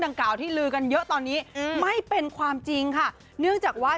กล่าวที่ลือกันเยอะตอนนี้ไม่เป็นความจริงค่ะเนื่องจากว่า